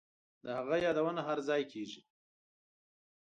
د هغه یادونه هرځای کیږي